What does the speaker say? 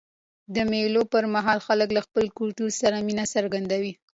د مېلو پر مهال خلک له خپل کلتور سره مینه څرګندوي.